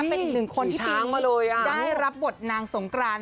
เป็นอีกหนึ่งคนที่ปีนี้ได้รับบทนางสงกราน